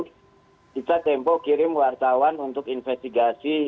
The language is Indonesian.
kita tempo kirim wartawan untuk investigasi